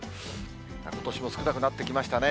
ことしも少なくなってきましたね。